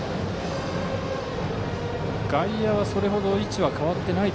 外野はそれほど位置は変わっていないか。